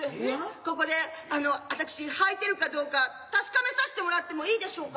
ここであの私はいてるかどうか確かめさせてもらってもいいでしょうか。